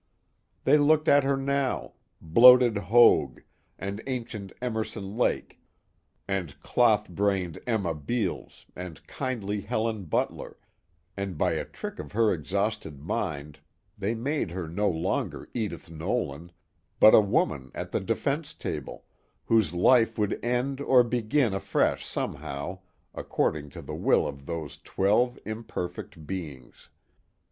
They looked at her now, bloated Hoag and ancient Emerson Lake and cloth brained Emma Beales and kindly Helen Butler, and by a trick of her exhausted mind they made her no longer Edith Nolan but a woman at the defense table, whose life would end or begin afresh somehow according to the will of those twelve imperfect beings.